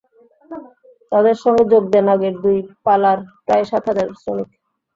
তাঁদের সঙ্গে যোগ দেন আগের দুই পালার প্রায় সাত হাজার শ্রমিক।